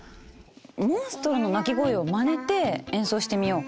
モンストロの鳴き声をまねて演奏してみよう。